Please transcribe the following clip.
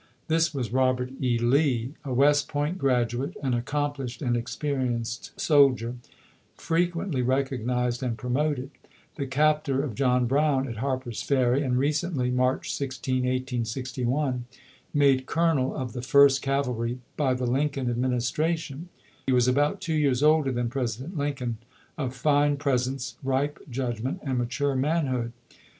This was Robert E. Lee, a West Point graduate, an accomplished and experienced soldier, frequently recognized and promoted, the captor of John Brown at Harper's Ferry, and recently (March 16, 1861) made colonel of the First Cavalry by the Lincoln Administration ; he was about two years older than President Lincoln, of fine pres ence, ripe judgment, and mature manhood.